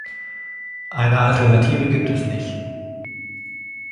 Eine Alternative gibt es nicht.